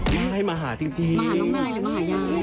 ไม่มาหาจริงมาหาน้องนายหรือมาหายาย